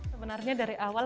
sebenarnya dari awal